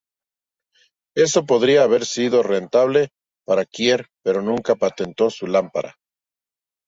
Esto podría haber sido rentable para Kier pero nunca patentó su lámpara.